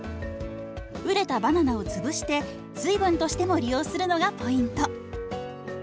熟れたバナナを潰して水分としても利用するのがポイント。